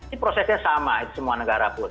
ini prosesnya sama di semua negara pun